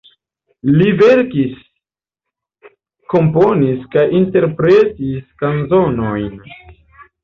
Li verkis, komponis kaj interpretis kanzonojn.